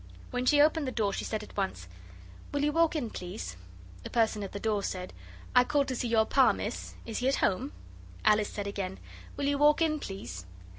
When she opened the door, she said at once, 'Will you walk in, please?' The person at the door said, 'I called to see your Pa, miss. Is he at home?' Alice said again, 'Will you walk in, please?